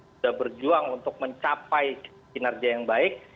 sudah berjuang untuk mencapai kinerja yang baik